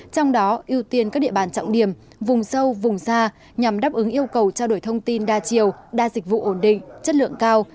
trong đó ưu tiên các địa bàn trọng điểm vùng sâu vùng xa nhằm đáp ứng yêu cầu trao đổi thông tin đa chiều đa dịch vụ ổn định chất lượng cao